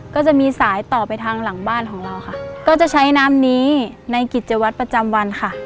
ก็จะมีสายต่อไปทางหลังบ้านของเราค่ะก็จะใช้น้ำนี้ในกิจวัตรประจำวันค่ะ